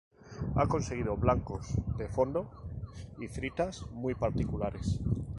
Ha conseguido blancos de fondo y 'fritas' muy particulares.